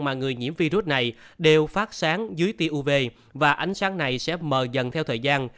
mà người nhiễm virus này đều phát sáng dưới tia uv và ánh sáng này sẽ mờ dần theo thời gian